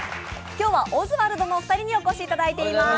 今日はオズワルドのお二人にお越しいただいております。